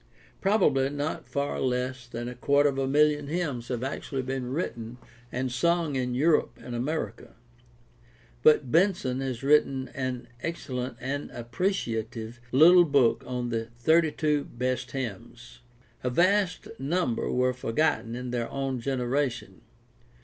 Probably not far less than a quarter of a million hymns have actually been written and sung in Europe and America. But Benson has written an excellent and appreciative little book on the thirty two best hymns ! A vast number were forgotten in their own genera tion.